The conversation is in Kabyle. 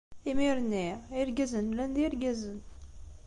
Imir-nni, irgazen llan d irgazen.